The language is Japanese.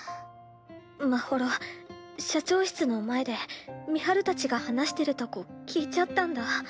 まほろ社長室の前で美晴たちが話してるとこ聞いちゃったんだ。